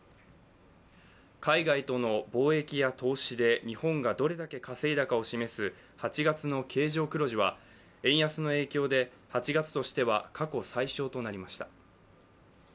海外との貿易や投資で日本がどれだけ稼いだかを示す８月の経常黒字は円安の影響で８月としては過去最小となりました。